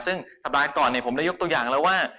ซึ่งสัปดาห์ก่อนผมได้ยกตัวอย่างแล้วว่า